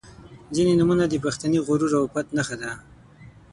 • ځینې نومونه د پښتني غرور او پت نښه ده.